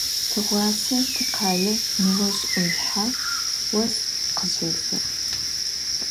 Тыгъуасэ тикъалэ ныожъ Ӏулъхьэу ос къыщесыгъ.